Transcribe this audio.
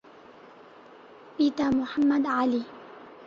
পিতা মোহাম্মদ আলি।